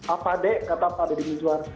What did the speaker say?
apa dek kata pak deddy mijuar